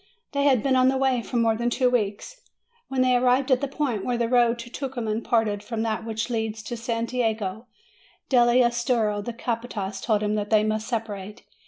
They had been on the way for more than two weeks; when they arrived at the point where the road to Tucuman parted from that which leads to Santiago dell' Estero, the capatas told him that they must separate.